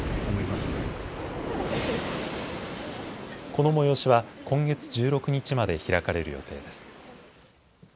この催しは今月１６日まで開かれる予定です。